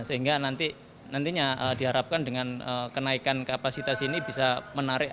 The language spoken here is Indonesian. sehingga nantinya diharapkan dengan kenaikan kapasitas ini bisa menarik